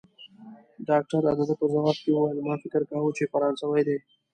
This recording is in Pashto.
ډاکټر د ده په ځواب کې وویل: ما فکر کاوه، چي فرانسوی دی.